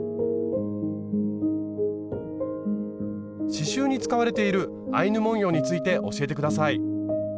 刺しゅうに使われているアイヌ文様について教えて下さい。